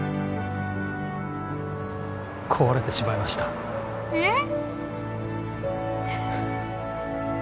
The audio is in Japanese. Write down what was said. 壊れてしまいましたえっ？